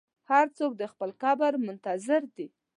هر څوک د خپل قبر منتظر دی.